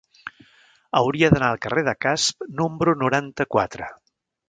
Hauria d'anar al carrer de Casp número noranta-quatre.